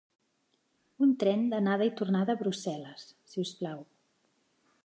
Un tren d'anada i tornada a Brussel·les, si us plau.